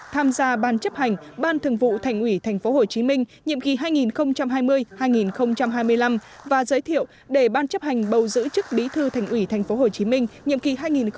tham gia ban chấp hành ban thường vụ thành ủy tp hcm nhiệm kỳ hai nghìn hai mươi hai nghìn hai mươi năm và giới thiệu để ban chấp hành bầu giữ chức bí thư thành ủy tp hcm nhiệm kỳ hai nghìn hai mươi hai nghìn hai mươi năm